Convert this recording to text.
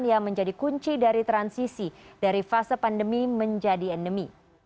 yang menjadi kunci dari transisi dari fase pandemi menjadi endemi